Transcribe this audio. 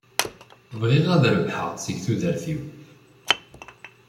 Bɣiɣ ad rebḥeɣ seg tudert-iw.